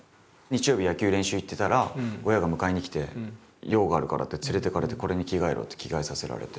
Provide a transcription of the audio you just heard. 日曜日野球練習行ってたら親が迎えにきて用があるからって連れていかれてこれに着替えろって着替えさせられて。